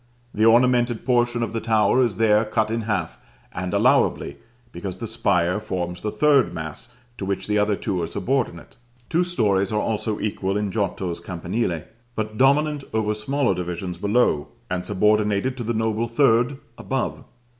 The ornamented portion of the tower is there cut in half, and allowably, because the spire forms the third mass to which the other two are subordinate: two stories are also equal in Giotto's campanile, but dominant over smaller divisions below, and subordinated to the noble third above.